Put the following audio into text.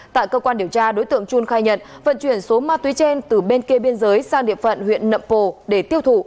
tại cơ quan điều tra đối tượng trung khai nhận vận chuyển số ma túy trên từ bên kia biên giới sang địa phận huyện nậm pồ để tiêu thụ